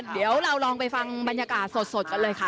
เดี๋ยวเราลองไปฟังบรรยากาศสดกันเลยค่ะ